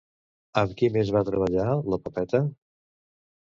Amb qui més va treballar la Pepeta?